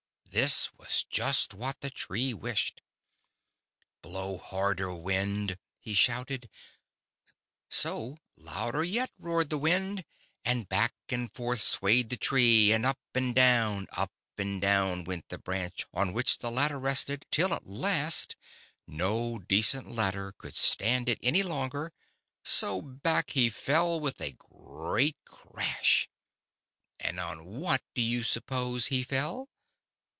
This was just what the Tree wished. " Blow harder, W^ind," he shouted ; so louder yet roared the Wind, and back and forth swayed the Tree, and up and down, up and down went the branch on which the ladder rested, till, at last, no decent ladder could stand it any longer, so back he fell with a great cvasJi. And on what do you suppose he fell